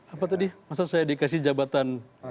apa tadi masa saya dikasih jabatan